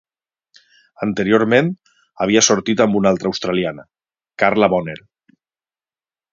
Anteriorment havia sortit amb una altra australiana, Carla Bonner.